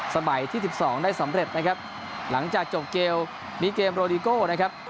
ที่สิบสองได้สำเร็จนะครับหลังจากจบเกมนี้เกมโรดิโก้นะครับ